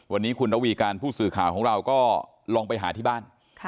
วันนี้คุณระวีการผู้สื่อข่าวของเราก็ลองไปหาที่บ้าน